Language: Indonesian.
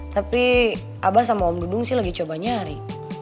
tapi abah sama om gudung sih lagi coba nyari